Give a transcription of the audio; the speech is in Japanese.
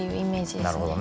なるほどね。